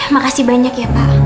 makasih banyak ya pak